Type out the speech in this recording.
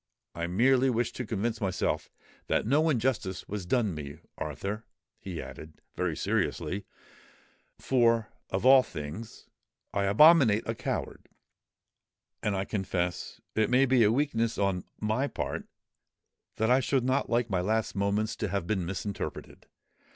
I merely wished to convince myself that no injustice was done me, Arthur," he added, very seriously; "for, of all things, I abominate a coward; and I confess—it may be a weakness on my part—that I should not like my last moments to have been misrepresented.